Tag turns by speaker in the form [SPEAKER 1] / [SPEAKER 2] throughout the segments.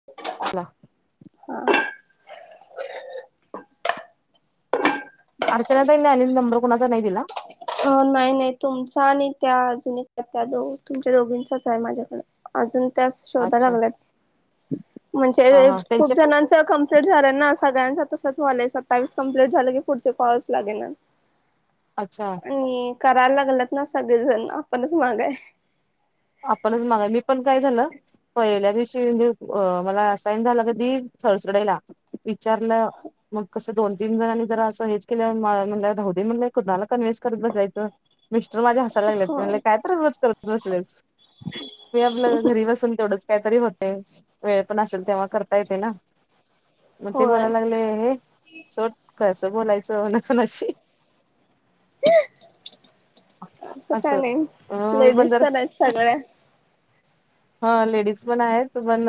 [SPEAKER 1] [unintelligible]
[SPEAKER 2] अर्चना ताईने आणि नंबर कुणाचा नाही दिला.
[SPEAKER 1] अ, नाही-नाही तुमचा आणि त्या अजून त्या दो तुमच्या दोघींचाच आहे माझ्याकडं. अजून त्या शोधायं
[SPEAKER 2] अच्छा
[SPEAKER 1] लागल्यात,
[SPEAKER 2] हा
[SPEAKER 1] म्हणजे
[SPEAKER 2] हा
[SPEAKER 1] खूप
[SPEAKER 2] त्यांच्या
[SPEAKER 1] जणांच कम झालं ना, सगळ्यांच तसच झालंय. सत्तावीस कंप्लीट झालं की पुढचे कॉलच लागेना.
[SPEAKER 2] अच्छा
[SPEAKER 1] आणि करायला लागलत ना सगळेजण? आपणच माग आहे.
[SPEAKER 2] आपणच मागा, मी पण काय झालं. पहिल्या दिवशी म्हणजे मला असाईन झाला कधी थर्सडेला. विचारलं मग कसं दोन तीन जणनी जरा अस हेच केल. म्हणल राहूदे म्हणलं कुणाला कन्व्हेयन्स करत बसायचं. मिस्टर माझे ह सायला लागले.
[SPEAKER 1] होय
[SPEAKER 2] म्हणले काय तरीच उगाच करत बसलेस. मी आपलं घरी बसून तेवढंच काहीतरी होते. वेळ पण असेल तेव्हा करता येते ना. म ते
[SPEAKER 1] होय
[SPEAKER 2] बोलायला लागले सोड कसं बोलायचं ना कुणाशी.
[SPEAKER 1] काय
[SPEAKER 2] असं.
[SPEAKER 1] नाही
[SPEAKER 2] होय मी पण
[SPEAKER 1] लेडीज
[SPEAKER 2] जरा
[SPEAKER 1] तर आहेत
[SPEAKER 2] [inaudible]
[SPEAKER 1] [inaudible]
[SPEAKER 2] ह लेडीज पण आहेत. पण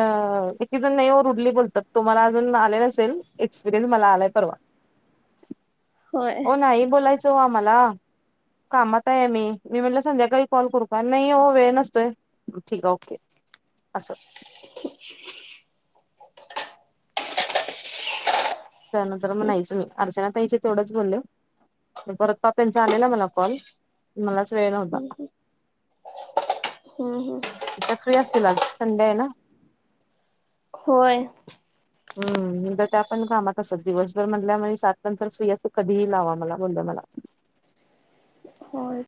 [SPEAKER 2] एकी जण नाही रुडली बोलतात. तुम्हाला अजून आले नसेल एक्सपिरिय्स. मला आलाय परवा.
[SPEAKER 1] होय.
[SPEAKER 2] ताई बोलायचं ओ आम्हाला. कामात आहे मी. मी म्हणलं संध्याकाळी कॉल करू का? नाही हो वेळ नसतोय. [unintelligible] ओके असं. त्यानंतर म नाहीच मी. अर्चना ताईशी तेथवढंच बोले. परत पप्यांचा आलेला मला कॉल. मलाच वेळ नव्हता.
[SPEAKER 1] हम्म हम्म.
[SPEAKER 2] त्या फ्री असतील आज. संडे आहे ना.
[SPEAKER 1] होय.
[SPEAKER 2] हम्म. उद्या त्या पण कामात असत दिवसभर म्हणल्या. म्हणी सात नंतर फ्री असते कधीही लावा मला. बोल्या मला.
[SPEAKER 1] होय.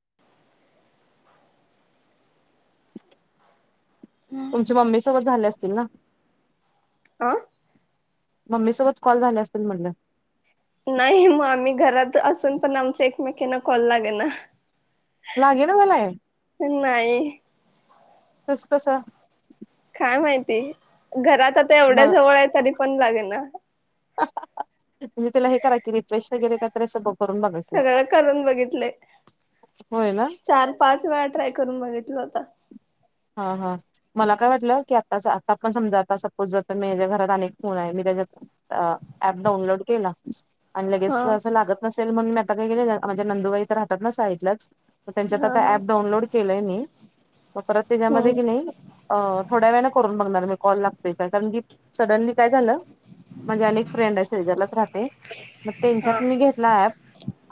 [SPEAKER 2] तुमच्या मम्मी सोबत झाले असतील ना.
[SPEAKER 1] अ.
[SPEAKER 2] मम्मी सोबत कॉल झाले असतील म्हणलं?
[SPEAKER 1] नाही म आम्ही घरात असून पण आमचा एकमेकींना कॉल लागे ना.
[SPEAKER 2] लागे ना झालाय.
[SPEAKER 1] नाही.
[SPEAKER 2] तस कसं?
[SPEAKER 1] काय माहिती? घरात आता एवढ्या
[SPEAKER 2] बघ
[SPEAKER 1] जवळ आहे तरी पण लागेना.
[SPEAKER 2] म त्याला हे कराच की रिफ्रेश वगैर काय तर असं बघ.
[SPEAKER 1] सगळं करून बघितलय.
[SPEAKER 2] होय ना
[SPEAKER 1] चार पाच वेळा ट्राय करून बघितलं होत.
[SPEAKER 2] हा हा. मला काय वाटलं की, आता आता आपण समजा आता सपोज जर माझ्या घरात अनेक फोन आहे. मी त्याच्यात अ ऍप डाऊनलोड केला. आणि लगेच
[SPEAKER 1] हा
[SPEAKER 2] असं लागत नसेल. म्हणून मी आता काय केले. माझ्या नंदूबाई इथ राहतात ना साईडलाच. मग त्यांच्यात
[SPEAKER 1] हा हा
[SPEAKER 2] आता ऍप डाऊनलोड केलंय मी. मग परत त्याच्यामध्ये
[SPEAKER 1] हम्म
[SPEAKER 2] की नाही थोड्या वेळा करून बघणार मी. कॉल लागतोय काय? कारण की सडनली काय झालं? माझे अनेक फ्रेंडे सेजारलाच राहते. मग
[SPEAKER 1] हा
[SPEAKER 2] त्यांच्यात मी घेत ला ऑप.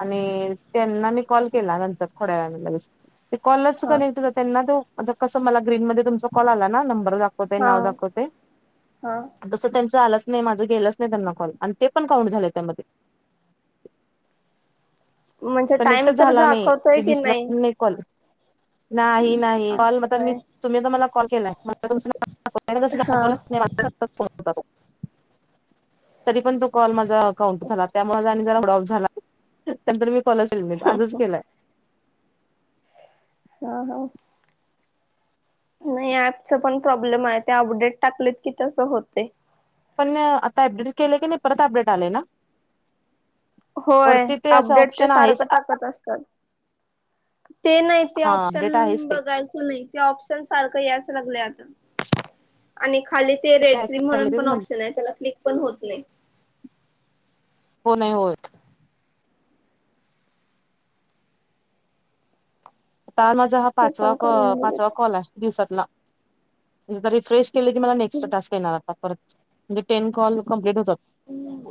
[SPEAKER 2] आणि त्यांना मी कॉल केला नंतर. थोड्या वेळानी लगेच. ते कॉलच
[SPEAKER 1] हा
[SPEAKER 2] कनेक्ट होत त्यांना तो कसं मला ग्रीन मध्ये तुमचा कॉल आला ना. नंबर दाख वतय
[SPEAKER 1] हा
[SPEAKER 2] नाव दाखवतय.
[SPEAKER 1] हा
[SPEAKER 2] तसं त्यांचं आलंच नाही माझं गेलंच नाही त्यांना कॉल आणि ते पण काउंट झालंय त्यामध्ये.
[SPEAKER 1] म्हणजे टाइम
[SPEAKER 2] कनेक्टच
[SPEAKER 1] तर
[SPEAKER 2] झाला नाही
[SPEAKER 1] दाखवतय
[SPEAKER 2] ते
[SPEAKER 1] कि
[SPEAKER 2] दिसला
[SPEAKER 1] नाही.
[SPEAKER 2] कॉल नाही नाही कॉल
[SPEAKER 1] असं
[SPEAKER 2] म मी
[SPEAKER 1] आहे
[SPEAKER 2] तुम्ही तर मला कॉल केलाय. [inaudible]
[SPEAKER 1] हा
[SPEAKER 2] तरी पण तो कॉल माझा काउंट झाला त्यामुळे आणि जरा मुड ऑफ झाला. [inaudible] कॉलच आजच केलाय.
[SPEAKER 1] हा हा, नाही ऍपच पण प्रॉब्लेम आहे ते अपडेट टाकलेत की, तसं होते.
[SPEAKER 2] पण आता अपडेट केले की नाही परत अपडेट आले ना.
[SPEAKER 1] होय
[SPEAKER 2] वरती ते असं
[SPEAKER 1] अपडेट ते
[SPEAKER 2] ऑप्शन
[SPEAKER 1] सारखं
[SPEAKER 2] आहेच
[SPEAKER 1] टाकत असतात. ते नाही ते
[SPEAKER 2] हा
[SPEAKER 1] ऑप्शन
[SPEAKER 2] अपडेट आहेच ते
[SPEAKER 1] बघायचं. च नाही ते ऑप्शन सारखं याच लागले आता. आणि खाली ते रेड्री म्हणून पण
[SPEAKER 2] म्हट
[SPEAKER 1] ऑप्शन आहे त्याला क्लिक पण होत नाही.
[SPEAKER 2] हो नाही होत. तर माझा हा
[SPEAKER 1] ते
[SPEAKER 2] पाचवा
[SPEAKER 1] पण
[SPEAKER 2] क
[SPEAKER 1] करून
[SPEAKER 2] पाचवा
[SPEAKER 1] बघितलं
[SPEAKER 2] कॉल आहे. दिवसातन रिफ्रेश केले की मला नेक्स्ट्रा टास्क येणार आता परत. म्हणजे टेन कॉल कंप्लीट होतात.
[SPEAKER 1] हम,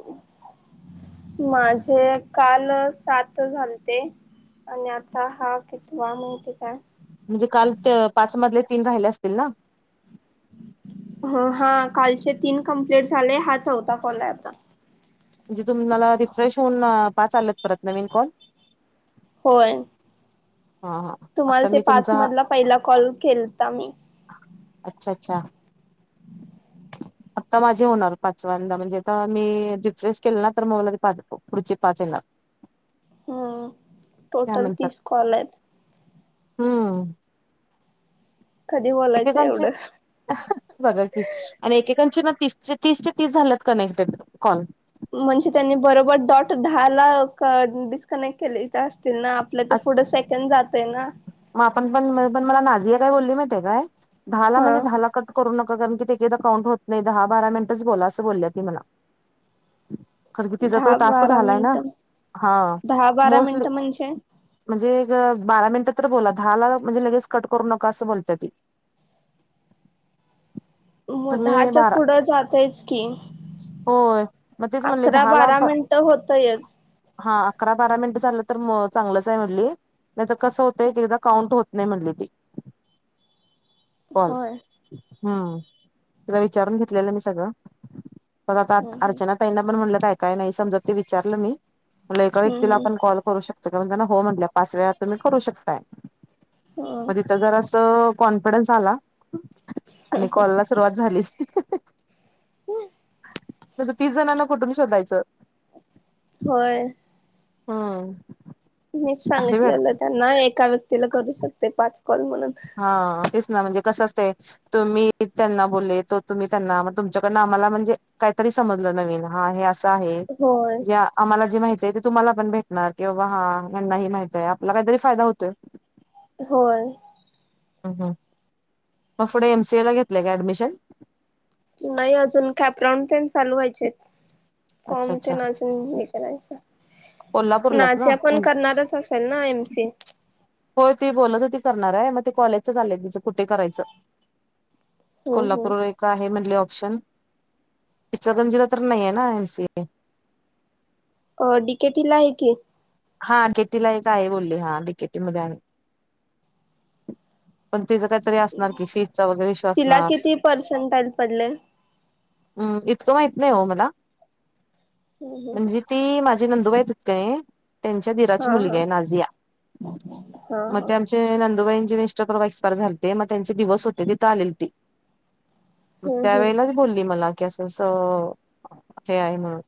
[SPEAKER 1] माझे काल सात झालते. आणि आता हा कितवा माहिती काय.
[SPEAKER 2] म्हणजे काल त पाचमधले तीन राहिले असतील ना.
[SPEAKER 1] हो हा, कालचे तीन कंप्लीट झाले हा चौथा कॉल आहे आता.
[SPEAKER 2] म्हणजे तुम्हाला रिफ्रेश होऊन पाच चालेत परत नवीन कॉल.
[SPEAKER 1] होय,
[SPEAKER 2] हा हा,
[SPEAKER 1] तुम्हाला
[SPEAKER 2] आता
[SPEAKER 1] ते
[SPEAKER 2] मी
[SPEAKER 1] पाच
[SPEAKER 2] तुमचा
[SPEAKER 1] मधला पहिला कॉल केलता मी.
[SPEAKER 2] अच्छा अच्छा, तर माझे होणार पाचवंदा म्हणजे आता मी रिफ्रेश केलं ना तर मला ते पाच पुढचे पाच येणार.
[SPEAKER 1] हम्, टोटल तीस कॉल आहेत.
[SPEAKER 2] हम,
[SPEAKER 1] कधी बोलायचं
[SPEAKER 2] एकेकांचे
[SPEAKER 1] एवढं.
[SPEAKER 2] बघा की, आणि एकेकांचे ना तीस तीस ते तीस झाल्यात कनेक्टेड कॉल.
[SPEAKER 1] म्हणजे त्यांनी बरोबर डॉट दहा ला क डी ''--'' कनेक्ट केले असतील ना आपल्या ते पुढं सेकंड जात आहे ना.
[SPEAKER 2] मग आपण पण पण मला नाझीया काय बोलली माहिते काय दहाला
[SPEAKER 1] हा.
[SPEAKER 2] म्हणजे दहाला कट. करू नका कारण की ते काउंट होत नाही दहा बारा मिनिटच बोला असं बोलली ती मला. खर की तिचा तो
[SPEAKER 1] दहा
[SPEAKER 2] टास्क
[SPEAKER 1] बारा
[SPEAKER 2] झालाय ना
[SPEAKER 1] मिनिटं
[SPEAKER 2] हा
[SPEAKER 1] दहा बारा
[SPEAKER 2] मोस्टली.
[SPEAKER 1] मिनिटं म्हणजे.
[SPEAKER 2] म्हणजे बारा मिनिटं तर बोला दहा ला म्हणजे लगेच कट करू नका असं बोलते ती.
[SPEAKER 1] मग
[SPEAKER 2] तुम्ही
[SPEAKER 1] दहाच्या
[SPEAKER 2] बारा
[SPEAKER 1] पुढं जातयच की,
[SPEAKER 2] होय मग तेच म्हणले
[SPEAKER 1] अकरा
[SPEAKER 2] दहाला
[SPEAKER 1] बारा मिनिटं होतयच.
[SPEAKER 2] हा अकरा बारा मिनट झालं तर चांगलंच आहे म्हणली नाही कसं होत एक एकदा काउंट होत. नाही म्हटली ती बल
[SPEAKER 1] होय
[SPEAKER 2] [unintelligible] हम्म, तुला विचारून घेतलेलं मी सगळं. आता
[SPEAKER 1] होय होय
[SPEAKER 2] अर्चना ताईंना पण म्हणलं काय काय नाही समजत ते विचारलं मी म्हणल एका व्यक्तीला
[SPEAKER 1] हम्म
[SPEAKER 2] आपण कॉल. करू शकत कण त्यां हो म्हंटलं पाच वेळा तुम्ही करू शकताय.
[SPEAKER 1] हा.
[SPEAKER 2] जरा अस कॉन्फिडन्स आला आणि कॉल ला सुरुवात झाली.
[SPEAKER 1] हम
[SPEAKER 2] तसं तीस जणांना कुठून शोधायचं.
[SPEAKER 1] होय.
[SPEAKER 2] हम्म.
[SPEAKER 1] मीच सांगितलेलं त्यांना एका व्यक्तीला करू शकते पाच कॉल म्हणून.
[SPEAKER 2] हा तेच ना म्हणजे कसं असतय तुम्ही त्यांना बोलले तो तुम्ही त्यांना म तुमच्याकडनं आम्हाला म्हणजे काहीतरी समजलं नवीन हा हे असं आहे
[SPEAKER 1] होय
[SPEAKER 2] ज्या आम्हाला जे माहिती आहे ते तुम्हाला पण भेटणार किंवा हा यांनाही माहिती आहे आपला काहीतरी फायदा होतोय
[SPEAKER 1] होय.
[SPEAKER 2] हम हम. मग पुढे एमसीए ला घेतलंय काय ॲडमिशन?
[SPEAKER 1] नाही अजून कॅप्राॅन ते चालू व्हायचे
[SPEAKER 2] अच्छा
[SPEAKER 1] फॉर्म
[SPEAKER 2] अच्छा
[SPEAKER 1] तेण अजून हे करायचं
[SPEAKER 2] कोल्हापूरलाच ना
[SPEAKER 1] नाझिया पण
[SPEAKER 2] एम
[SPEAKER 1] करणारच असेल ना एम सी ए?
[SPEAKER 2] होय ती बोलत होती करणार आहे मग ते कॉलेजचं चाललंय तिचं कुठे करायचं.
[SPEAKER 1] हम्म हम्म
[SPEAKER 2] कोल्हापूर एक आहे म्हटले ऑप्शन इचलकरंजीला तर नाहीये ना एमसीए.
[SPEAKER 1] डिकेतिला आहे की.
[SPEAKER 2] हा डीकेटीला एक आहे बोलली हा डीकेटी मध्ये आहे पण तिचं काहीतरी असणार की फीजचा वगैरे विषय
[SPEAKER 1] तिला
[SPEAKER 2] असणार
[SPEAKER 1] किती पर्सेंटाईल पडले
[SPEAKER 2] हम् इतकं माहित नाही हो मला
[SPEAKER 1] हम्म हम्म
[SPEAKER 2] म्हणजे ती माझी नंदुबाई तिथं आहे त्यांच्या दीराची
[SPEAKER 1] हा हा
[SPEAKER 2] मुलगी आहे नाझिया
[SPEAKER 1] हा
[SPEAKER 2] मग
[SPEAKER 1] हा
[SPEAKER 2] ते चे नंदुबाईचे मिस्टर परवा एक्सपायर झालते मग त्यांचे दिवस होते तिथं आलेली ती
[SPEAKER 1] हम्म हम्म
[SPEAKER 2] त्यावेेळीलाच बोलली मला की असं असं हे आहे म्हणून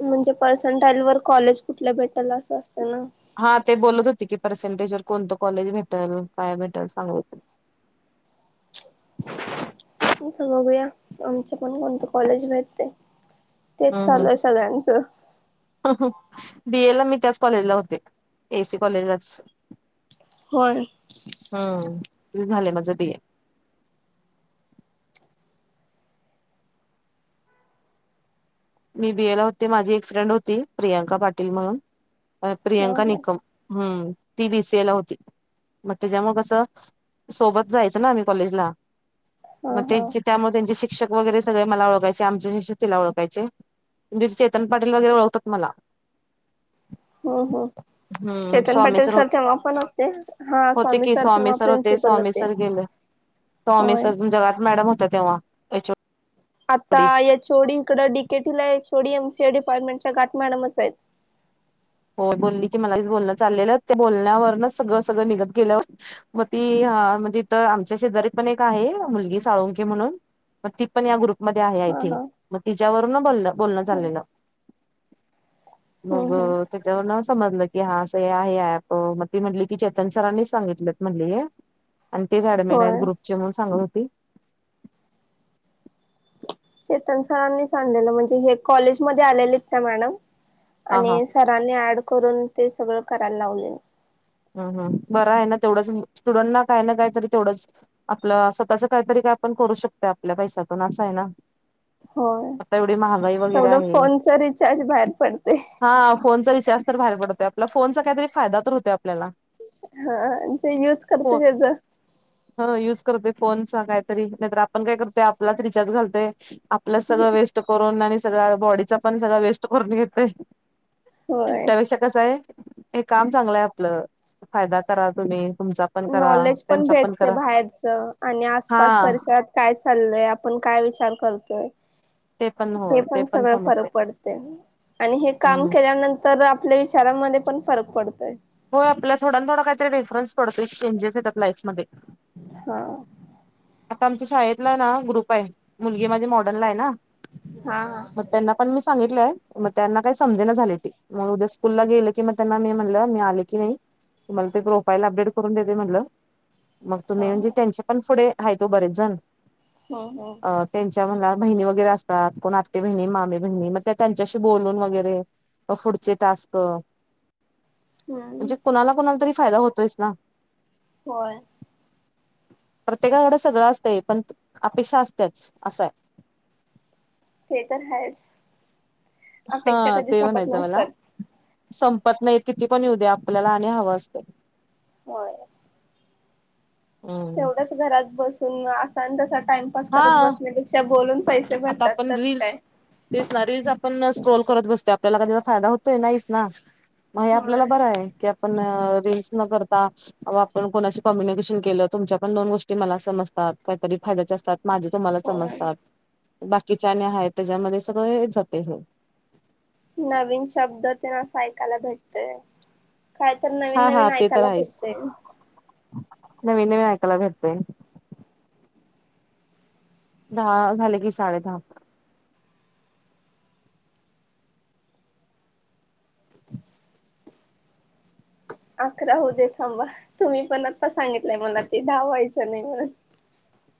[SPEAKER 1] म्हणजे पर्संटाईल वर कॉलेज कुठल्या भेटलं असं असतं ना
[SPEAKER 2] हा ते बोलत होती की पर्सेंटेज वर कोणतं कॉलेज भेटलं काय भेटलं सांग
[SPEAKER 1] इथं बघूया आमच्या पण कोणतं कॉलेज भेटतय. तेच चालू आहे सगळ्यांचं.
[SPEAKER 2] बी. ए. ला मी त्याच कॉलेजला होते एसी कॉलेजलाच.
[SPEAKER 1] होय.
[SPEAKER 2] हम् ते झालंय माझं बी ए. मी बीएला होते माझी एक फ्रेंड होती प्रियांका पाटील म्हणून
[SPEAKER 1] हा
[SPEAKER 2] प्रियांका
[SPEAKER 1] हा
[SPEAKER 2] निकम हम्म ती बी. सी. ए ला होती मग त्याच्यामुळ कसं सोबत जायचं ना आम्ही कॉलेजला
[SPEAKER 1] हा
[SPEAKER 2] मग
[SPEAKER 1] हा
[SPEAKER 2] त्यांचे त्यामुळे त्यांचे शिक्षक वगैरे सगळे मला ओळखायचे आमचे शिक्षक तिला ओळखायचे दिस चेतन पाटील वगैरे ओळखतात मला
[SPEAKER 1] ह ह
[SPEAKER 2] हम्म
[SPEAKER 1] चेतन
[SPEAKER 2] स्वामी
[SPEAKER 1] पाटील सर तेव्हा पण होते हा
[SPEAKER 2] होते
[SPEAKER 1] स्वामी
[SPEAKER 2] की
[SPEAKER 1] सर तेव्हा प्रिन्सिपल होते.
[SPEAKER 2] टॉमी
[SPEAKER 1] होय
[SPEAKER 2] सर जगात मॅडम होत्या तेव्हा. एच ओ
[SPEAKER 1] आता
[SPEAKER 2] डी
[SPEAKER 1] या यचोडी इकडं डीकेटीला यचोडी एमसी ए डिपार्टमेंटच्या जगात मॅडमच आहेत.
[SPEAKER 2] हो बोलली की मला ते बोलणं चाललेलं ते बोलण्यावरच सगळं सगळं निघत गेलं होत मग ती हा म्हणजे इथं आमच्या शेजारी पण एक आहे मुलगी साळुंखे म्हणून. मग ती पण या ग्रुपमध्ये आहे आहे
[SPEAKER 1] हा
[SPEAKER 2] की,
[SPEAKER 1] हा
[SPEAKER 2] मग तिच्यावरून बोलणं बोलणं चाललेलं. मग
[SPEAKER 1] हम्म हम्म
[SPEAKER 2] त्याच्यावर ना समजलं की हा असं हे आहे ॲप, मग ती म्हटली की चेतन सरांनीच सांगितलेत म्हटली हे,
[SPEAKER 1] [unintelligible]
[SPEAKER 2] आणि तेच ॲडमिन आहेत
[SPEAKER 1] होय
[SPEAKER 2] ग्रुपचे म्हणून सांगत होती.
[SPEAKER 1] चेतन सरांनीच सांगलेलं, म्हणजे हे कॉलेज मध्ये आलेलीत त्या मॅडम,
[SPEAKER 2] हा हा
[SPEAKER 1] आणि सरा सरांनी ऍड करून ते सगळं करायला लावलं
[SPEAKER 2] हम्म हम्म बर आहे ना तेवढंच, स्टुडंट ना काय ना कायतरी तेवढंच आपलं स्वतःच काहीतरी काय आपण करू शकतोय आपल्या पैशातून, असं आहे ना,
[SPEAKER 1] होय,
[SPEAKER 2] आता एवढी महागाई वगैरे
[SPEAKER 1] तेवढं
[SPEAKER 2] आहे
[SPEAKER 1] फोनच रिचार्ज बाहेर पडतय.
[SPEAKER 2] हा फोनचा रिचार्ज तर बाहेर पडतोय आपला, फोनचा काहीतरी फायदा तर होतोय आपल्याला
[SPEAKER 1] हा जे युज करतय त्याचं
[SPEAKER 2] हं युज करतोय फोनचा काहीतरी, नाहीतर आपण काय करतोय, आपलाच रिचार्ज घालतोय, आपलंच सगळं वेस्ट करून आणि सगळं बॉडीचा पण सगळं वेस्ट करून घेतोय.
[SPEAKER 1] होय
[SPEAKER 2] त्यापेक्षा कसं आहे, हे काम चांगलं आहे आपलं, फायदा करा तुम्ही तुमचा पण करा
[SPEAKER 1] नॉलेज पण
[SPEAKER 2] त्यांचा
[SPEAKER 1] भेटतय
[SPEAKER 2] करा
[SPEAKER 1] बाहेरचं, आणि
[SPEAKER 2] हा
[SPEAKER 1] आसपास परिसरात काय चाललय, आपण काय विचार करतोय,
[SPEAKER 2] ते पण
[SPEAKER 1] हे
[SPEAKER 2] होय ते
[SPEAKER 1] पण सगळं
[SPEAKER 2] समजते
[SPEAKER 1] फरक पडतय, आणि हे काम
[SPEAKER 2] हम्म
[SPEAKER 1] केल्यानं तर आपल्या विचारांमध्ये पण फरक पडतोय
[SPEAKER 2] होय आपल्या थोडा थोडं काहीतरी डिफरन्स पडतय, चेंजस येतात लाईफमध्ये
[SPEAKER 1] हा
[SPEAKER 2] आता आमच्या शाळेतला आहे ना ग्रुप आहे, मुलगी माझी मॉडर्नला आहे ना,
[SPEAKER 1] हा
[SPEAKER 2] त्यांना पण मी सांगितलंय, मग त्यांना काही समजेना झालय ते मग उद्या स्कूलला गेलं की मग त्यांना मी म्हटलं, मी आल आले की नाही, तुम्हाला ते प्रोफाइल अपडेट करुन देते म्हणलं, मग तुम्ही
[SPEAKER 1] हा
[SPEAKER 2] आणि त्याच्या - पण पुढे हायत ओ बरेच जण
[SPEAKER 1] हा हा
[SPEAKER 2] अ त्यांच्या म्हणा बहिणी वगैरे असत्यात, कोण आत्ते बहिणी मामी बहिणी, मग त्या त्यांच्याशी बोलून वगैरे मग पुढचे टास्क
[SPEAKER 1] हम्म
[SPEAKER 2] म्हणजे कुणाला कोणाला तरी फायदा होतोयच ना
[SPEAKER 1] होय
[SPEAKER 2] प्रत्येकाकडे सगळं असतंय, पण अपेक्षा असतेच, असंय
[SPEAKER 1] ते तर हायच,
[SPEAKER 2] हा ते म्हणायचं मला
[SPEAKER 1] नसतात
[SPEAKER 2] संपत नाही किती पण येऊ दे, आपल्याला आणि हवं असतं.
[SPEAKER 1] होय
[SPEAKER 2] हम्म.
[SPEAKER 1] तेवढंच घरात बसून, असा न तसा टाइमपास
[SPEAKER 2] हा
[SPEAKER 1] करत बसण्यापेक्षा बोलून पैसे
[SPEAKER 2] आता
[SPEAKER 1] भरतात
[SPEAKER 2] आपण
[SPEAKER 1] तर
[SPEAKER 2] रील्स
[SPEAKER 1] काय.
[SPEAKER 2] तेच ना रीलस आपण स्क्रोल करत बसतोय आपल्याला काय त्याचा फायदा होतोय, नाहीच ना, म हे आपल्याला
[SPEAKER 1] होय.
[SPEAKER 2] बरं आहे, की आपण रीलस न करता अ आपण कोणाशी कम्युनिकेशन केलं, तुमच्या पण दोन गोष्टी मला समजतात, काहीतरी फायद्याच्या असतात. माझे तुम्हाला
[SPEAKER 1] होय
[SPEAKER 2] समजतात, बाकीच्या आणि आहेत, त्याच्यामध्ये सगळं होत जातय हे
[SPEAKER 1] नवीन शब्द तन असं ऐकायला भेटतय काय तर नवीन
[SPEAKER 2] हा हा
[SPEAKER 1] नवीन
[SPEAKER 2] ते तर
[SPEAKER 1] ऐकायला
[SPEAKER 2] आहेच.
[SPEAKER 1] भेटतय
[SPEAKER 2] नवीन नवीन आयकायला भेटतय दहा झाले की साडे दहा
[SPEAKER 1] अकरा होऊ दे थांबा तुम्ही पण आता सांगितलंय मला ते दहा व्हायचं नाही म्हणून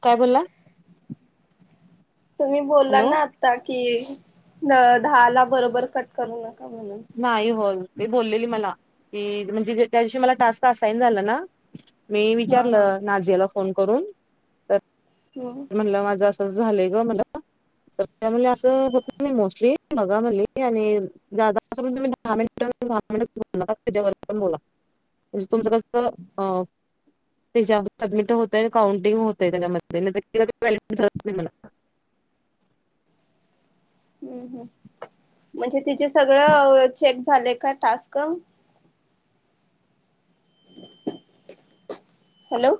[SPEAKER 2] काय बोलला
[SPEAKER 1] तुम्ही बोलला
[SPEAKER 2] हॅलो.
[SPEAKER 1] ना आता कि दहा ला बरोबर कट करू नका म्हणून
[SPEAKER 2] नाही हो ते बोललेली मला की म्हणजे त्यादिवशी मला टास्क असाईन झाला ना, मी
[SPEAKER 1] हा हा
[SPEAKER 2] विचारलं नाझियाला फोन करून तर
[SPEAKER 1] हो
[SPEAKER 2] म्हणलं माझं असं झालंय ग मला तर त्या म्हणली असं होत नाही मोस्टली बघा म्हणली आणि जादा कमीत कमी दहा मिनिटं दहा मिनिटंच बोलू नका त्याच्या वरती पण बोला म्हणजे तुमचं कसं अं त्याच्या सबमिट होतंय आणि काउंटिंग होतंय त्याच्यामध्ये [unintelligible]
[SPEAKER 1] हम्म हम्म म्हणजे तिचेे सगळं चेक झाले का टास्क? हॅलो